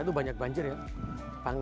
itu banyak banjir ya